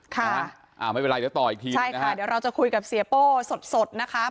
ค่ะอ่าไม่เป็นไรเดี๋ยวต่ออีกทีใช่ค่ะเดี๋ยวเราจะคุยกับเสียโป้สดสดนะคะ